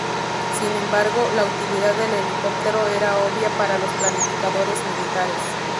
Sin embargo, la utilidad del helicóptero era obvia para los planificadores militares.